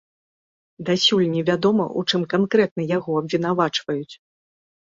Дасюль невядома, у чым канкрэтна яго абвінавачваюць.